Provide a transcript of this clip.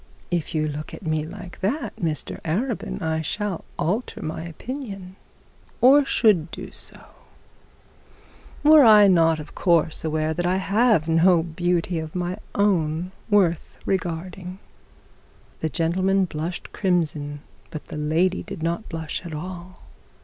'If you look at me like that, Mr Arabin, I shall alter my opinion or should do so, were I not of course aware that I have no beauty of my own worth regarding.' The gentleman blushed crimson, but the lady did not blush at all.